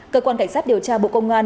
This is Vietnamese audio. cơ quan cảnh sát điều tra bộ công an